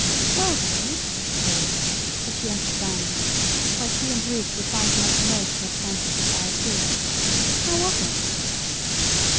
"Well, Daddy?" queried Alice, as she entered the dining room, where she and Ruth were trying to make the most of a scanty supply of food. "How was it?"